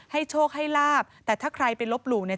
โชคให้ลาบแต่ถ้าใครไปลบหลู่เนี่ย